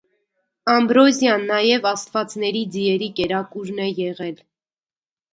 Ամբրոզիան նաև աստվածների ձիերի կերակուրն է եղել։